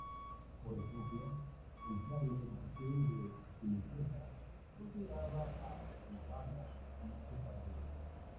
Por ejemplo, el fraile Martin de Azpilicueta consideraba a Navarra como su patria.